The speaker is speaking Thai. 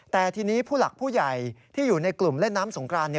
แต่ทีนี้ผู้หลักผู้ใหญ่ที่อยู่ในกลุ่มเล่นน้ำสงคราน